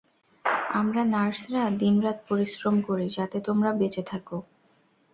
আমরা নার্সরা দিনরাত পরিশ্রম করি যাতে তোমরা বেঁচে থাকো।